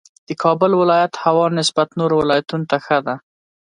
د کابل ولایت هوا نسبت نورو ولایتونو ته ښه ده